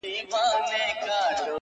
زه چي په بې سېکه گوتو څه وپېيم~